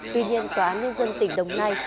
tuy nhiên tòa án nhân dân tỉnh đồng nai